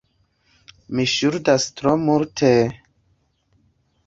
Mi ŝuldas tro multe,...